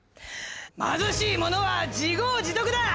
貧しい者は自業自得だ！